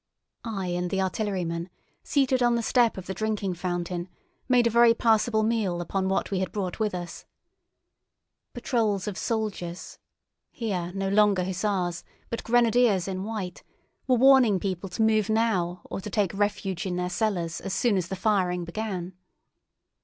I and the artilleryman, seated on the step of the drinking fountain, made a very passable meal upon what we had brought with us. Patrols of soldiers—here no longer hussars, but grenadiers in white—were warning people to move now or to take refuge in their cellars as soon as the firing began.